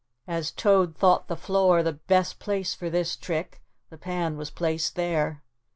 As Toad thought the floor the best place for this trick, the pan was placed there.